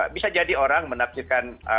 bisa jadi orang menafsirkan